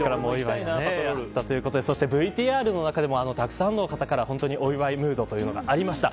そして、ＶＴＲの中でもたくさんの方からお祝いムードというのがありました。